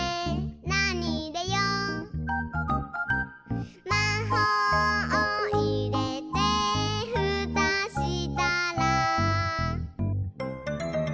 「なにいれよう？」「まほうをいれてふたしたら」